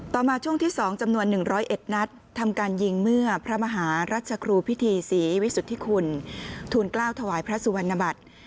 มาช่วงที่๒จำนวน๑๐๑นัดทำการยิงเมื่อพระมหารัชครูพิธีศรีวิสุทธิคุณทูลกล้าวถวายพระสุวรรณบัติ